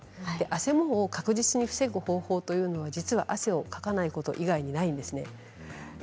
あせもを確実に防ぐ方法は実は汗をかかないこと以外にないんですね。